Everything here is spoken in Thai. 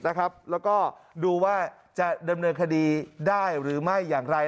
แล้วก็ดูว่าจะดำเนินคดีได้หรือไม่อย่างไร